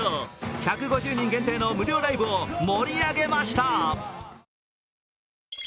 １５０人限定の無料ライブを盛り上げました。